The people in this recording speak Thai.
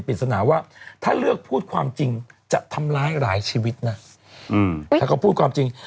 ปริศนาว่าถ้าเลือกพูดความจริงจะทำร้ายหลายชีวิตนะถ้าเขาพูดความจริง